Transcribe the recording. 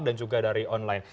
dan juga dari online